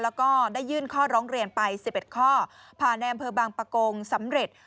แล้วก็ได้ยื่นข้อร้องเรียนไป๑๑ข้อผ่านในอำเภอบางปะโกงสำเร็จ